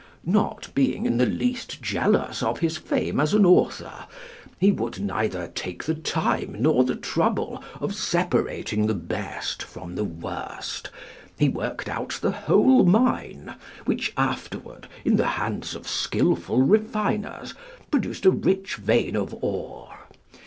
Not being in the least jealous of his fame as an author, he would neither take the time nor the trouble of separating the best from the worst; he worked out the whole mine, which afterward, in the hands of skillful refiners, produced a rich vein of ore.